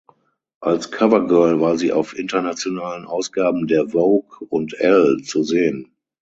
Als Covergirl war sie auf internationalen Ausgaben der Vogue und Elle zu sehen.